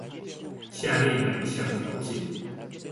下列那一項條件